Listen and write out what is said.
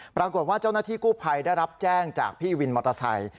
ปรากฏว่าเจ้าหน้าที่กู้ภัยได้รับแจ้งจากพี่วินมอเตอร์ไซค์